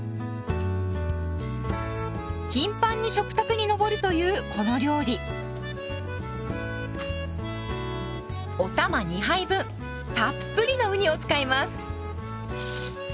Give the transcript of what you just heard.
頻繁に食卓に上るというこの料理お玉２杯分たっぷりのウニを使います。